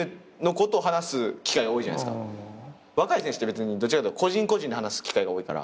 若い選手ってどっちかっていうと個人個人で話す機会が多いから。